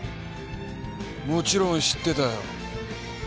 もちろん知ってたよ。